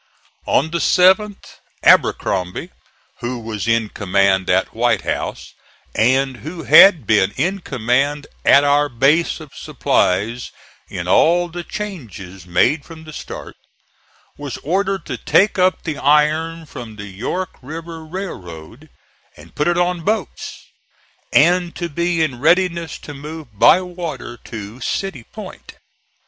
On the 7th Abercrombie who was in command at White House, and who had been in command at our base of supplies in all the changes made from the start was ordered to take up the iron from the York River Railroad and put it on boats, and to be in readiness to move by water to City Point.